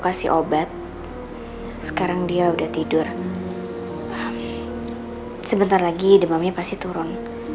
kasih obat sekarang dia udah tidur sebentar lagi demamnya pasti turun